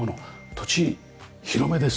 土地広めです。